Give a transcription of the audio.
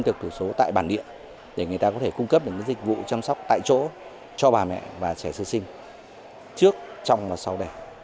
tự số tại bản địa để người ta có thể cung cấp những dịch vụ chăm sóc tại chỗ cho bà mẹ và trẻ sơ sinh trước trong và sau đẻ